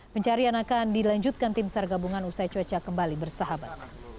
pencarian akan dilanjutkan tim sargabungan usai cuaca kembali bersahabat